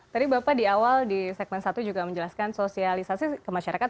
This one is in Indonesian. tadi bapak di awal di segmen satu juga menjelaskan sosialisasi ke masyarakat